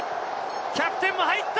キャプテンも入った！